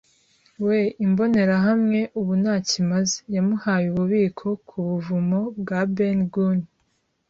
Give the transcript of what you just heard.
we imbonerahamwe, ubu ntacyo imaze - yamuhaye ububiko, ku buvumo bwa Ben Gunn